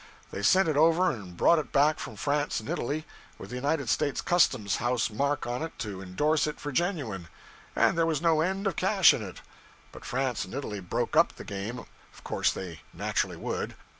They sent it over and brought it back from France and Italy, with the United States custom house mark on it to indorse it for genuine, and there was no end of cash in it; but France and Italy broke up the game of course they naturally would.